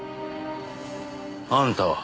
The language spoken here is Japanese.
あんたは？